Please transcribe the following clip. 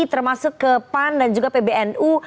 termasuk ke pan dan juga pbnu